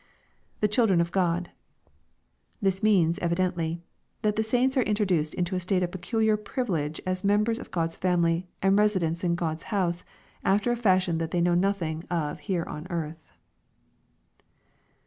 [77ie children of God.] This means evidently, that the saints are introduced into a state of peculiar privilege as members of Q od's family, and residents in God's house, after a fashion that they know nothing of here on eArth.